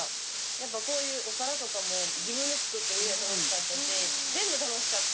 やっぱこういうお皿とかも自分で作って楽しかったし全部楽しかった。